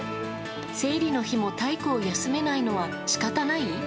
生理の日も体育を休めないのはしかたない？